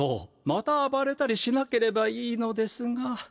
また暴れたりしなければいいのですが。